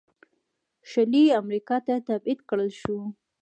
شلي امریکا ته تبعید کړل شول.